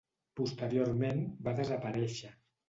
Posteriorment va desaparèixer.